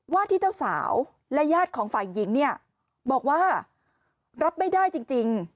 ที่เจ้าสาวและญาติของฝ่ายหญิงเนี่ยบอกว่ารับไม่ได้จริง